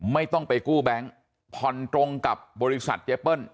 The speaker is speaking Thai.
ไม่ต้องไปกู้แบงค์ผ่อนตรงกับบริษัทเจเปิ้ล